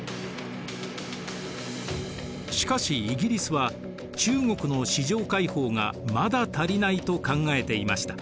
しかしイギリスは中国の市場開放がまだ足りないと考えていました。